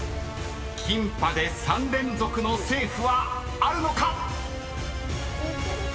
［キンパで３連続のセーフはあるのか⁉］いけるか？